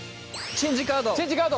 チェンジカード！